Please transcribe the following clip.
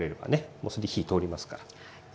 もうそれで火通りますから。